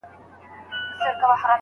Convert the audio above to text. هغه نفقه نه کمه کوله.